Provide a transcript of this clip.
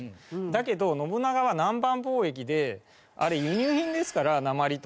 だけど信長は南蛮貿易であれ輸入品ですから鉛とか。